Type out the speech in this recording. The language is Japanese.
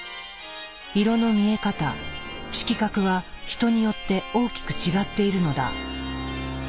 色の見え方「色覚」は人によって大きく違っているのだ。